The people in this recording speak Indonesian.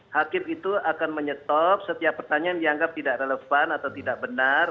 hakim itu akan menyetop setiap pertanyaan dianggap tidak relevan atau tidak benar